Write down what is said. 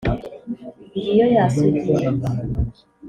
ngiyo ya sugi ye